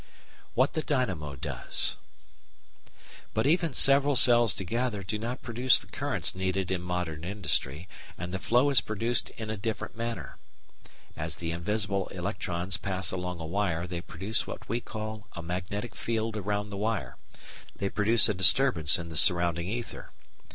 What the Dynamo does But even several cells together do not produce the currents needed in modern industry, and the flow is produced in a different manner. As the invisible electrons pass along a wire they produce what we call a magnetic field around the wire, they produce a disturbance in the surrounding ether.